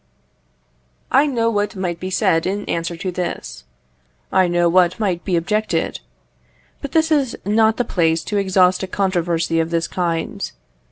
I know what might be said in answer to this. I know what might be objected. But this is not the place to exhaust a controversy of this kind.